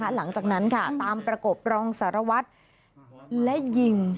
หลังจากนั้นค่ะตามประกบรองสารวัตรและยิง